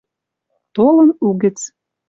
Толын угӹц